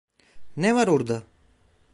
Ne var orada?